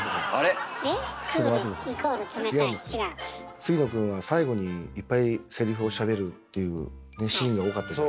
杉野くんは最後にいっぱいセリフをしゃべるっていうシーンが多かったじゃない。